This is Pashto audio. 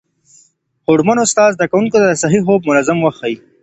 هوډمن استاد زده کوونکو ته د صحي خوب منظم وخت ښيي.